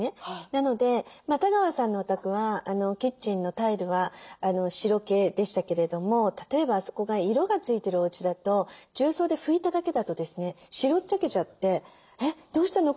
なので多川さんのお宅はキッチンのタイルは白系でしたけれども例えばあそこが色が付いてるおうちだと重曹で拭いただけだとですね白っちゃけちゃって「えっどうしたの？